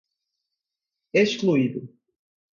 excluído